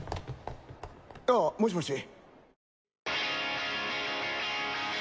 あっもしもし。